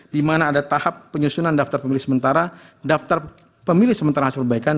di mana ada tahap penyusunan daftar pemilih sementara daftar pemilih sementara hasil perbaikan